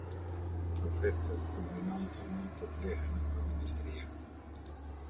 Trofetë kulminante mund të blehen nga Ministria.